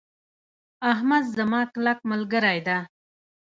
احمد زما کلک ملګری ده.